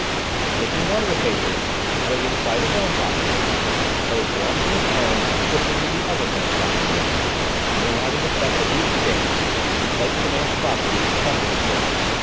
and taking one of the papers he put it inside his own pocket book, chose one from his own and put it into the other man's pocket book, and then, having effected this exchange, replaced the man's property and chuckled again.